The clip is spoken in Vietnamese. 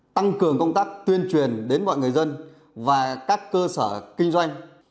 tăng cường công tác tuyên truyền đến mọi người dân và các cơ sở kinh doanh